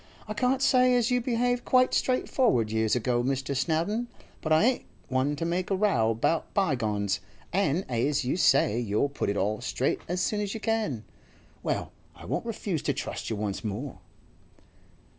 'I can't say as you behaved quite straightforward years ago, Mr. Snowdon, but I ain't one to make a row about bygones, an' as you say you'll put it all straight as soon as you can, well, I won't refuse to trust you once more.